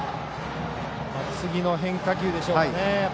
次の変化球でしょうかね。